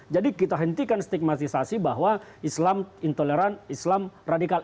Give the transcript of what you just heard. jadi kita hentikan stigmatisasi bahwa islam intoleran islam radikal